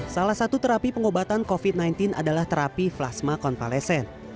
salah satu terapi pengobatan covid sembilan belas adalah terapi plasma konvalesen